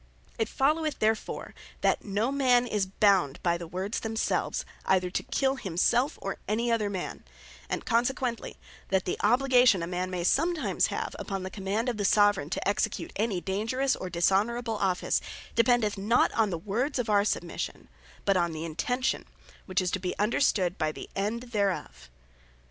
'" It followeth therefore, that No man is bound by the words themselves, either to kill himselfe, or any other man; And consequently, that the Obligation a man may sometimes have, upon the Command of the Soveraign to execute any dangerous, or dishonourable Office, dependeth not on the Words of our Submission; but on the Intention; which is to be understood by the End thereof.